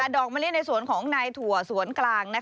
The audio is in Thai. ดอกมะลิในสวนของนายถั่วสวนกลาง